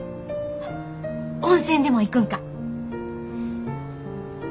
あっ温泉でも行くんか？